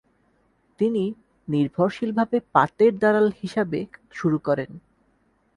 তিনি "নির্ভরশীলভাবে পাটের দালাল হিসাবে" শুরু করেন।